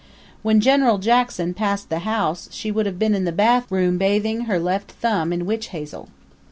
When General Jackson passed the house she would have been in the bathroom bathing her left thumb in witch hazel.